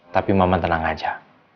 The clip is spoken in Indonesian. tapi mama tenang aja